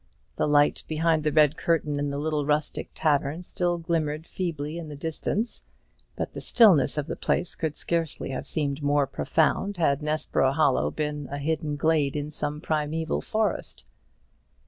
The light behind the red curtain in the little rustic tavern still glimmered feebly in the distance; but the stillness of the place could scarcely have seemed more profound had Nessborough Hollow been a hidden glade in some primeval forest.